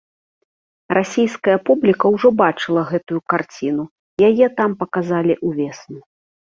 Расійская публіка ўжо бачыла гэтую карціну, яе там паказалі ўвесну.